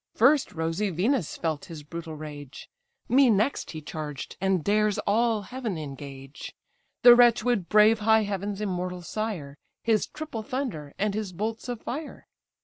First rosy Venus felt his brutal rage; Me next he charged, and dares all heaven engage: The wretch would brave high heaven's immortal sire, His triple thunder, and his bolts of fire."